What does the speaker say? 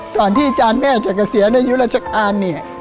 ตอนที่จานแม่จักรเสียในยุฤษกาล